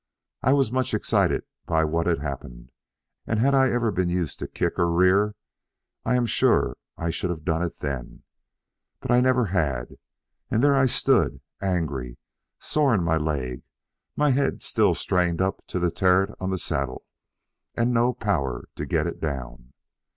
I was much excited by what had happened, and if I had ever been used to kick or rear I am sure I should have done it then; but I never had, and there I stood, angry, sore in my leg, my head still strained up to the terret on the saddle, and no power to get it down.